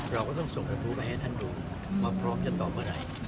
เราก็ต้องส่งทันตรูไปให้ท่านดูพอพร้อมจะตอบเมื่อไหน